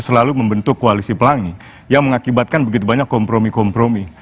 selalu membentuk koalisi pelangi yang mengakibatkan begitu banyak kompromi kompromi